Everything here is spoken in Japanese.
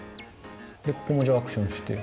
ここもじゃあアクションして。